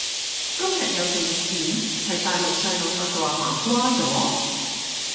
今日有段片係大陸細路勒到阿嫲瓜咗？